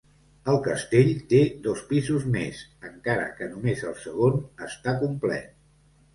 El castell té dos pisos més, encara que només el segon està complet.